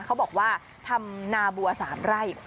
เขาบอกว่าทำนาบัว๓ไร่